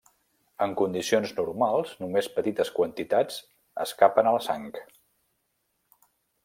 En condicions normals només petites quantitats escapen a la sang.